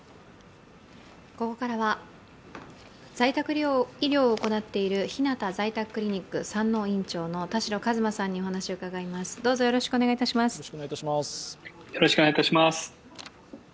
ここからは在宅医療を行っているひなた在宅クリニック山王院長の田代和馬さんにお話を伺います。